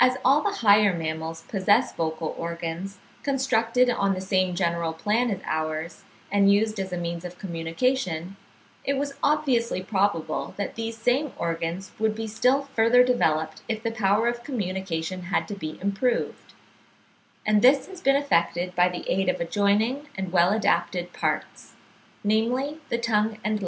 As all the higher mammals possess vocal organs, constructed on the same general plan as ours, and used as a means of communication, it was obviously probable that these same organs would be still further developed if the power of communication had to be improved; and this has been effected by the aid of adjoining and well adapted parts, namely the tongue and lips.